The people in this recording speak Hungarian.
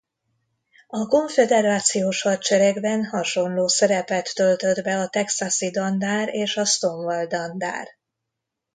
A konföderációs hadseregben hasonló szerepet töltött be a Texasi Dandár és a Stonewall Dandár.